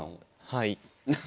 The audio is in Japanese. はい。